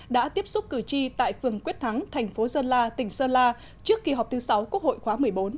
đã tiếp xúc cử tri tại phường quyết thắng thành phố sơn la tỉnh sơn la trước kỳ họp thứ sáu quốc hội khóa một mươi bốn